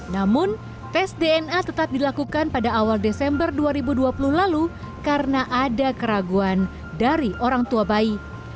namun tes dna tetap dilakukan pada awal desember dua ribu dua puluh lalu karena ada keraguan dari orang tua bayi